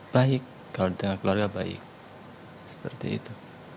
baik kalau di tengah keluarga baik seperti itu